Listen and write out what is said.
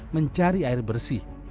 mencari air bersih